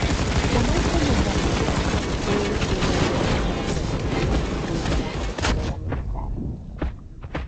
Con este nombramiento, ve el cielo abierto para proseguir y culminar su carrera militar.